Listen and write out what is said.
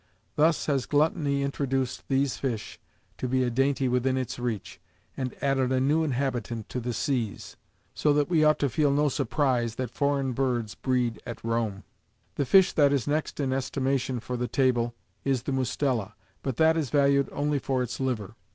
Thus has gluttony introduced these fish, to be a dainty within its reach, and added a new inhabitant to the seas : so that we ought to feel no surprise that foreign birds breed at Eome. The fi^h that is next in estimation for the table is the mus tela,^ but that is valued only for its liver.